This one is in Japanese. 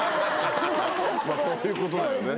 そういうことだよね。